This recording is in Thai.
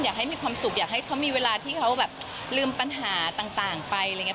อยากให้มีความสุขอยากให้เขามีเวลาที่เขาแบบลืมปัญหาต่างไป